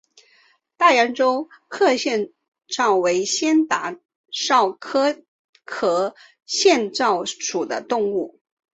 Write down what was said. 大洋洲壳腺溞为仙达溞科壳腺溞属的动物。